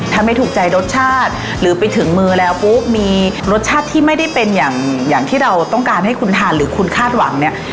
ถ้าไม่ถูกใจรสชาติหรือไปถึงมือแล้วปุ๊บมีรสชาติที่ไม่ได้เป็นอย่างอย่างที่เราต้องการให้คุณทานหรือคุณคาดหวังเนี่ย